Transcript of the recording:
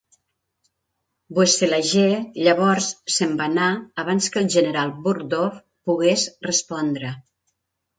Boeselager llavors se'n va anar abans que el General Burgdorf pogués respondre.